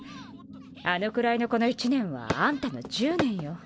あのくらいの子の１年はあんたの１０年よ。